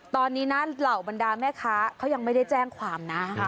ตอนนี้นะเหล่าบรรดาแม่ค้าเขายังไม่ได้แจ้งความนะ